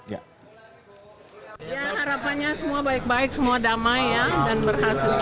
ya harapannya semua baik baik semua damai ya dan berhasil